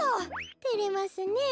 てれますねえ。